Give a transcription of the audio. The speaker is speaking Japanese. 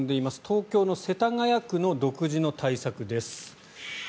東京の世田谷区の独自の対策です。